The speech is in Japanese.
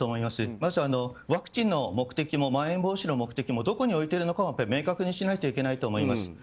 まず、ワクチンの目的もまん延防止の目的もどこに置いてるのかは明確にしないといけないと思います。